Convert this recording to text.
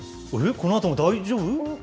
このあとも大丈夫？ですか？